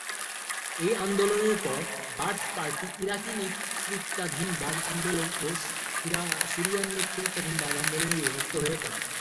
এই বিপ্লবের পর বাথ পার্টি ইরাকি-নেতৃত্বাধীন বাথ আন্দোলন ও সিরিয়ান-নেতৃত্বাধীন বাথ আন্দোলনে বিভক্ত হয়ে পড়ে।